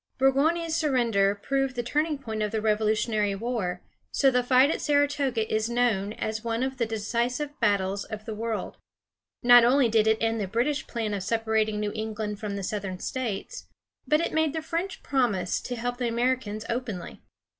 Burgoyne's surrender proved the turning point of the Revolutionary War, so the fight at Saratoga is known as one of the decisive battles of the world. Not only did it end the British plan of separating New England from the Southern States, but it made the French promise to help the Americans openly.